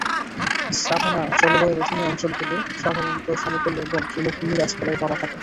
Savanna জলবায়ুর অধীনে অঞ্চলগুলো সাধারণত সমতল তৃণভূমি গাছপালায় ভরা থাকে।